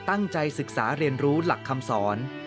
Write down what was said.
ตั้งใจศึกษาเรียนรู้หลักคำสอน